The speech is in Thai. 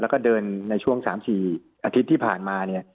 แล้วก็เดินในช่วง๓๔อาทิตย์ที่ผ่านมาเนี่ย